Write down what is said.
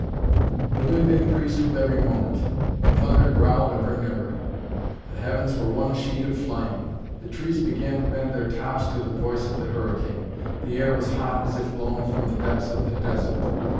The wind increased with every moment. The thunder growled ever nearer. The heavens were one sheet of flame. The trees began to bend their tops to the voice of the hurricane. The air was hot as if blown from the depths of the desert.